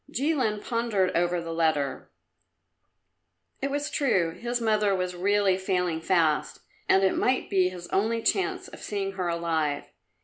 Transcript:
Jilin pondered over the letter. It was true; his mother was really failing fast, and it might be his only chance of seeing her alive.